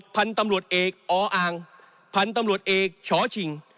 พลตำรวจเอกอออพลตำรวจเอกชชิง